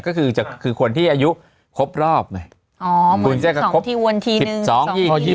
ก็คือคนที่อายุครบรอบอ๋อเหมือน๒ที่๑ทีนึง